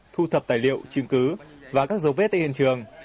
thu thập tài liệu chứng cứ và các dấu vết tại hiện trường